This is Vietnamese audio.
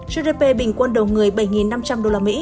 gdp bình quân đầu người bảy năm trăm linh usd